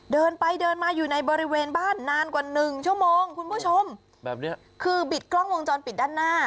เดินไปเดินมาอยู่ในบริเวณบ้านนานกว่าหนึ่งชั่วโมงคุณผู้ชมแบบเนี้ยคือบิดกล้องวงจรปิดด้านหน้า